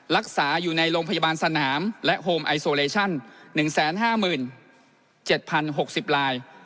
รักษาอยู่ในโรงพยาบาลสนามและโฮมไอโซเลชั่น๑๕๗๐๖๐ลาย